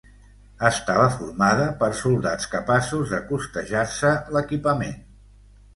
Estava formada per soldats capaços de costejar-se l'equipament.